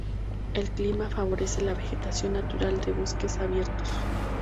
El clima favorece la vegetación natural de bosques abiertos.